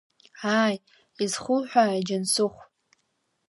Аи, изхуҳәааи, Џьансыхә?